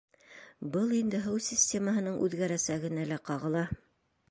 Был инде һыу системаһының үҙгәрәсәгенә лә ҡағыла.